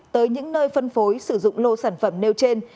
tới những nơi phân phối sử dụng lô sản phẩm nêu trên